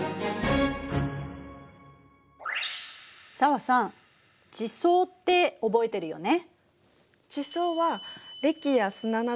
紗和さん「地層」って覚えてるよね。